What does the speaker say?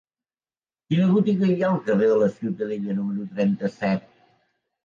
Quina botiga hi ha al carrer de Ciutadella número trenta-set?